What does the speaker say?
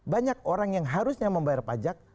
banyak orang yang harusnya membayar pajak